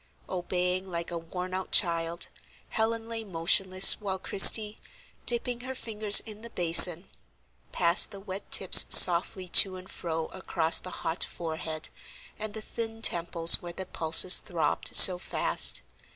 Obeying like a worn out child, Helen lay motionless while Christie, dipping her fingers in the basin, passed the wet tips softly to and fro across the hot forehead, and the thin temples where the pulses throbbed so fast.